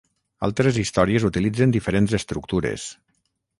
Altres històries utilitzen diferents estructures.